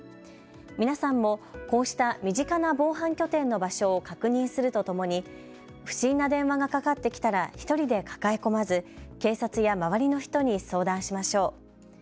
皆さんもこうした身近な防犯拠点の場所を確認するとともに不審な電話がかかってきたら１人で抱え込まず警察や周りの人に相談しましょう。